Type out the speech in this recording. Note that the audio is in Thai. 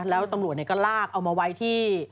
แล้วตำรวจก็ลากเอามาไว้ที่